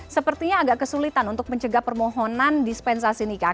sepertinya agak kesulitan untuk mencegah permohonan dispensasi nikah